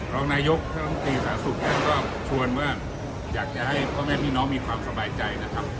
รองนายกท่านตีศาสุทธิ์ก็ชวนว่าอยากจะให้พ่อแม่พี่น้องมีความสบายใจนะครับ